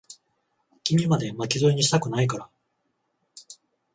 君まで、巻き添えにしたくないから。